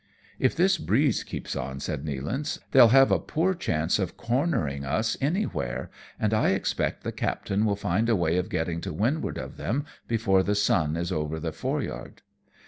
" If this breeze keeps on," says Nealance, " they'll have a poor chance of cornering us anywhere, and I expect the captain will find a way of getting to wind ward of them before the sun is over the foreyard."